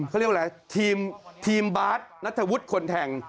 เขาเรียกว่าอะไรทีมบาสนัทวุฒิคนแทง